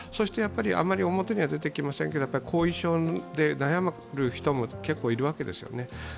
あまり表に出てきませんけど後遺症で悩む人も結構いるわけですよね。